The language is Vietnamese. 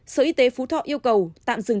sở y tế phú thọ yêu cầu tạm dừng